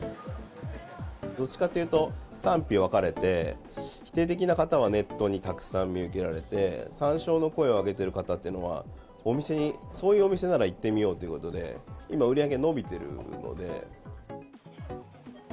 どっちかというと、賛否分かれて、否定的な方はネットにたくさん見受けられて、さんしょうの声を上げてる方っていうのは、お店に、そういうお店なら行ってみようということで、今、売り上げは伸びてるので。